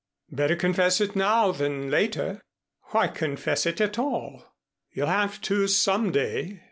"Better confess it now than later." "Why confess it at all?" "You'll have to some day.